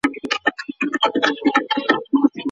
ولي هڅاند سړی د هوښیار انسان په پرتله ښه ځلېږي؟